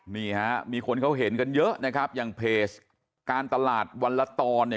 นี่ฮะมีคนเขาเห็นกันเยอะนะครับอย่างเพจการตลาดวันละตอนเนี่ย